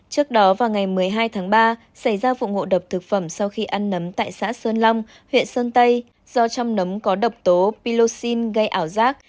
trước đó vào ngày một mươi hai tháng ba xảy ra vụ ngộ độc thực phẩm sau khi ăn nấm tại xã sơn long huyện sơn tây do trong nấm có độc tố pinosin gây ảo giác